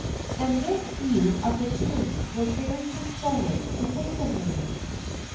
And this view of the case was very consoling to Waveney.